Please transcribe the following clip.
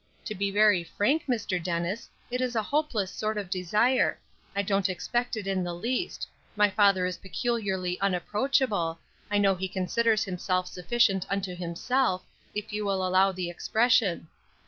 To be very frank, Dr. Dennis, it is a hopeless sort of desire; I don't expect it in the least; my father is peculiarly unapproachable; I know he considers himself sufficient unto himself, if you will allow the expression.